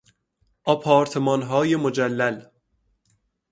آپارتمانهای مجلل